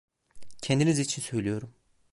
Kendiniz için söylüyorum.